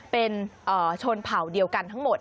เป็นชนเผ่าเดียวกันทั้งหมด